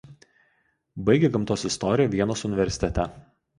Baigė gamtos istoriją Vienos Universitete.